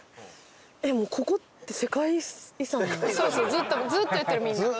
ずっとずっと言ってるみんな。